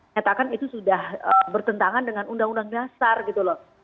nyatakan itu sudah bertentangan dengan undang undang dasar gitu loh